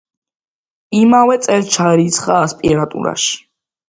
იმავე წელს ჩაირიცხა ასპირანტურაში.